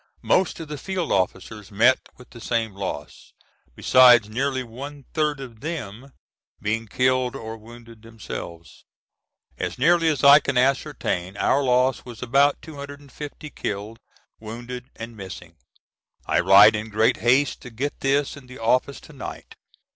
Most of the field officers met with the same loss, besides nearly one third of them being killed or wounded themselves. As nearly as I can ascertain our loss was about 250 killed, wounded, and missing. I write in great haste to get this in the office tonight.